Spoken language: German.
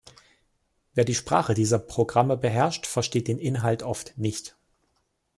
Wer die Sprache dieser Programme beherrscht, versteht den Inhalt oft nicht.